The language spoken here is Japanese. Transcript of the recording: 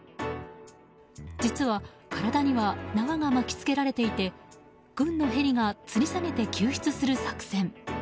実は、体には縄が巻き付けられていて軍のヘリがつり下げて救出する作戦。